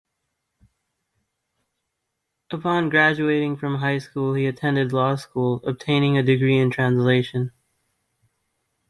Upon graduating from high school, he attended law school, obtaining a degree in translation.